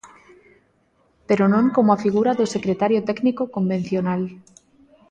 Pero non como a figura do secretario técnico convencional.